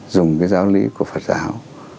dùng cái giáo lý của phật giáo